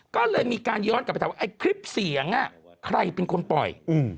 ก็เลยมีการย้อนกลับไปถามว่าไอ้คลิปเสียงใครเป็นคนปล่อย